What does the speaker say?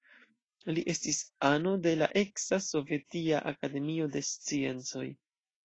Li estis ano de la eksa Sovetia Akademio de Sciencoj.